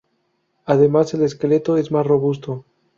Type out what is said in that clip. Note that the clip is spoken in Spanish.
Además, el esqueleto es más robusto.